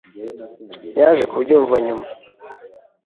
Yaje kubyumva nyuma.